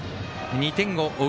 ２点を追う